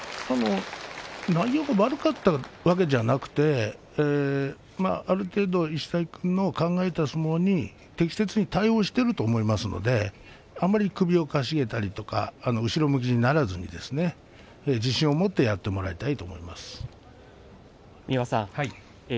内容が悪かったわけではなくてある程度、石崎君の考えた相撲に適切に対応していると思いますのであまり首をかしげたりとか後ろ向きならずに自信を持ってやってもらいたいと思いますね。